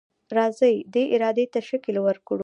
راځئ دې ارادې ته شکل ورکړو.